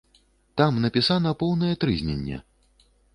Там напісана поўнае трызненне!